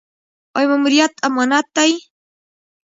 آیا ماموریت امانت دی؟